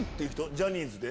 ジャニーズで。